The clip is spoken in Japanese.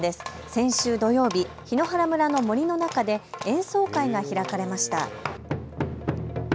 先週土曜日、檜原村の森の中で演奏会が開かれました。